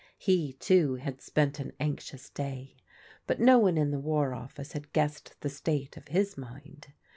He, too, had spent an anxious day, but no one in the War OflBce had guessed the state of his mind.